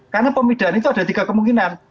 karena pemidaan itu ada tiga kemungkinan